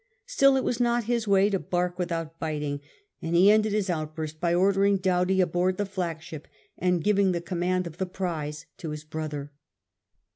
Still it was not his way to bark without biting, and he ended his outburst by ordering Doughty aboard the flagship, and giving the command of the prize to his brother.